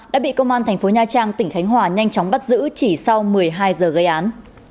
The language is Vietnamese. đã bị công an thành phố nha trang tỉnh khánh hòa nhanh chóng bắt giữ chỉ sau một mươi hai giờ gây án